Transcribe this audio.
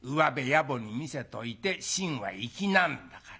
野暮に見せといて芯は粋なんだからね。